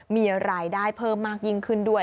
มีรายได้เพิ่มมากยิ่งขึ้นด้วย